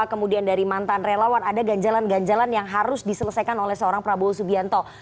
kemudian dari mantan relawan ada ganjalan ganjalan yang harus diselesaikan oleh seorang prabowo subianto